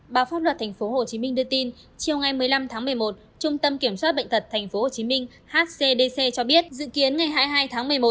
báo pháp luật tp hcm đưa tin chiều ngày một mươi năm tháng một mươi một trung tâm kiểm soát bệnh tật tp hcm hcdc cho biết dự kiến ngày hai mươi hai tháng một mươi một